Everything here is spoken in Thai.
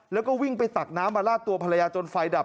แล้วก็วิ่งไปตักน้ำมาลาดตัวภรรยาจนไฟดับ